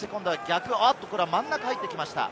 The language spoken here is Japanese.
真ん中に入ってきました。